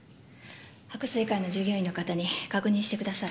白水館の従業員の方に確認してください。